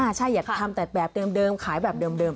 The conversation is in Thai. ใช่อยากทำแต่แบบเดิมขายแบบเดิม